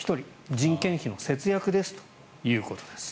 人件費を節約ですということです。